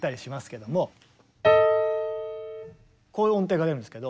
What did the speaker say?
こういう音程が出るんですけど。